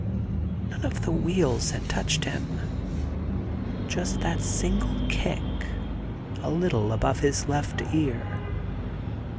None of the wheels had touched him : just that single kick a little above his left ear.